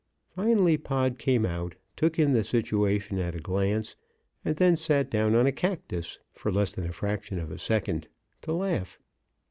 Finally Pod came out, took in the situation at a glance, and then sat down on a cactus, for less than a fraction of a second, to laugh.